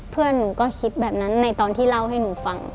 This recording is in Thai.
เพื่อนหนูก็คิดแบบนั้นในตอนที่เล่าให้หนูฟัง